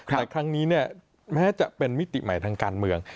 แต่ครั้งนี้เนี่ยแม้จะเป็นมิติใหม่ทางการเมือง